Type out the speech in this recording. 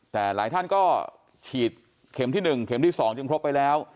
แต่หลายท่านก็ฉีดเข็มที่๑เข็มที่๒จนครบไปแล้ว